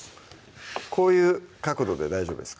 こういう角度で大丈夫ですか？